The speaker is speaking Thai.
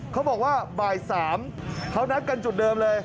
เขาบอกว่าบ่าย๓เขานัดกันจุดเดิมเลย